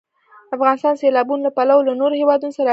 افغانستان د سیلابونو له پلوه له نورو هېوادونو سره اړیکې لري.